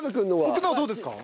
僕のはどうですか？